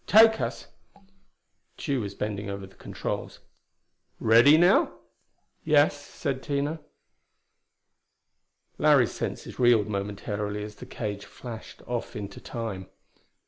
Take us." Tugh was bending over the controls. "Ready now?" "Yes," said Tina. Larry's senses reeled momentarily as the cage flashed off into Time.